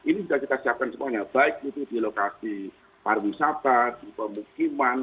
ini sudah kita siapkan semuanya baik itu di lokasi pariwisata di pemukiman